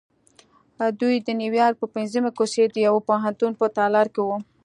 دوی د نیویارک د پنځمې کوڅې د یوه پوهنتون په تالار کې وو